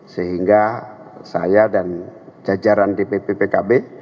sehingga saya dan jajaran dpp pkb